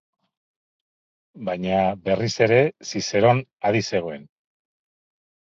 Baina, berriz ere, Zizeron adi zegoen.